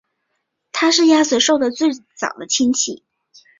它是鸭嘴兽的最早的亲属。